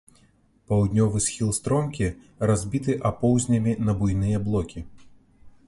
Паўднёвы схіл стромкі, разбіты апоўзнямі на буйныя блокі.